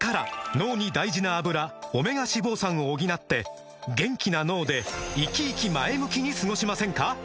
脳に大事な「アブラ」オメガ脂肪酸を補って元気な脳でイキイキ前向きに過ごしませんか？